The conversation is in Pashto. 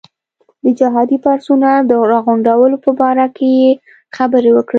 د جهادي پرسونل د راغونډولو په باره کې یې خبرې وکړې.